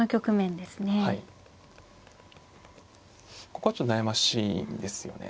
ここはちょっと悩ましいんですよね。